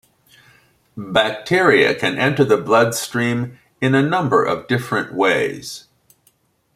Bacteria can enter the bloodstream in a number of different ways.